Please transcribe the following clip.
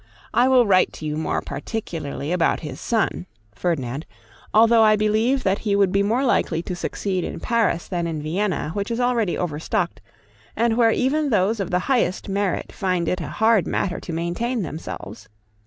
I will write to you more particularly about his son [Ferdinand], although I believe that he would be more likely to succeed in Paris than in Vienna, which is already overstocked, and where even those of the highest merit find it a hard matter to maintain themselves.